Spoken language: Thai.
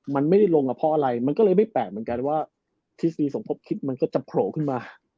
มันไม่ได้ลงอ่ะเพราะอะไรมันก็เลยไม่แปลกเหมือนกันว่าทฤษฎีสมพบคิดมันก็จะโผล่ขึ้นมา